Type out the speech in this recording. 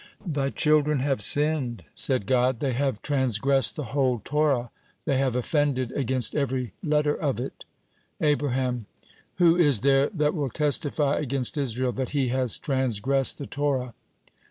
"Thy children have sinned," said God, "they have transgressed the whole Torah, they have offended against every letter of it." Abraham: "Who is there that will testify against Israel, that he has transgressed the Torah?"